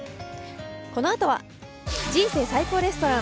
このあとは「人生最高レストラン」。